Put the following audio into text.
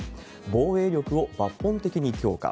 防衛力を抜本的に強化。